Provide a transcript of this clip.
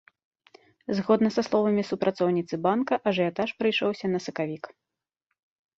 Згодна са словамі супрацоўніцы банка, ажыятаж прыйшоўся на сакавік.